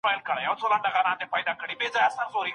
ډېر لوړ ږغ پاڼه نه ده ړنګه کړې.